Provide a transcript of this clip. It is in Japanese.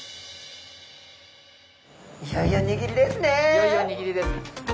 いよいよ握りです。